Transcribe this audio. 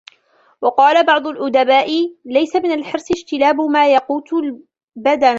وَقَالَ بَعْضُ الْأُدَبَاءِ لَيْسَ مِنْ الْحِرْصِ اجْتِلَابُ مَا يَقُوتُ الْبَدَنَ